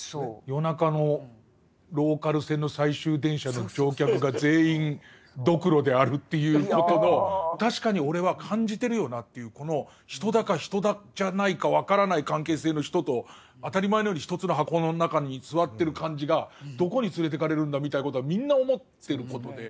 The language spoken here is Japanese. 夜中のローカル線の最終電車の乗客が全員どくろであるっていうことの確かに俺は感じてるよなっていうこの人だか人じゃないか分からない関係性の人と当たり前のように一つの箱の中に座ってる感じが「どこに連れてかれるんだ」みたいなことはみんな思ってることで。